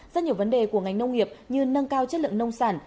rất nhiều vấn đề của ngành nông nghiệp như nâng cao chất lượng nông sản